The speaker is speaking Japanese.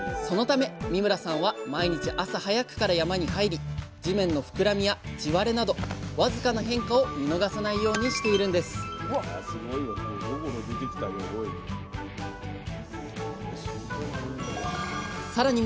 そのため三村さんは毎日朝早くから山に入り地面の膨らみや地割れなどわずかな変化を見逃さないようにしているんですさらに